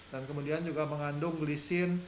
dan kemudian juga mengandung glisin